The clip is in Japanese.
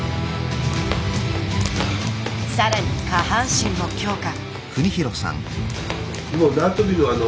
更に下半身も強化。